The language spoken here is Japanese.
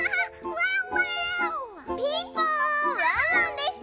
ワンワンでした！